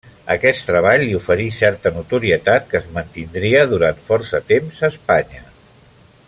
Aquest treball li oferí certa notorietat que es mantindria durant força temps a Espanya.